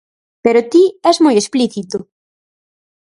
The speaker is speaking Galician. Pero ti es moi explícito.